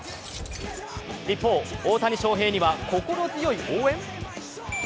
一方、大谷翔平には心強い応援？